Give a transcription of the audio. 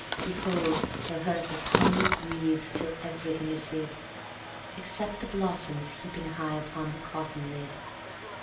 Behold! her hearse is hung with wreaths till everything is hid Except the blossoms heaping high upon her coffin lid.